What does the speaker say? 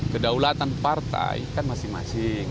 kedaulatan partai kan masing masing